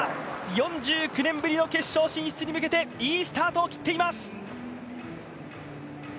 ４９年ぶりの決勝進出に向けていいスタートを切っています！